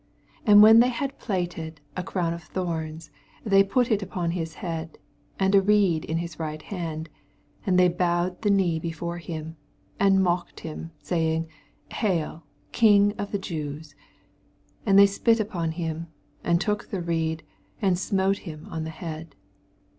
29 And when they had platted a orown of thorns, they pnt U npon his head, and a reed in his right hand : and they bowed the knee before hira, and mocked him, saying, Hail, King of the Jews 1 80 And they spit npon him, and took the reed, ana smote him on the head.